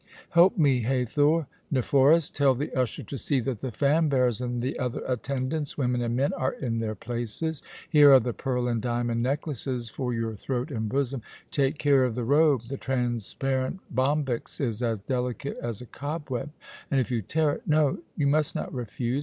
Help me, Hathor. Nephoris, tell the usher to see that the fan bearers and the other attendants, women and men, are in their places. Here are the pearl and diamond necklaces for your throat and bosom. Take care of the robe. The transparent bombyx is as delicate as a cobweb, and if you tear it No, you must not refuse.